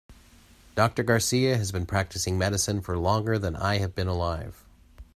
Doctor Garcia has been practicing medicine for longer than I have been alive.